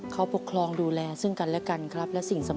เขาปกครองดูแลซึ่งกันและกันครับ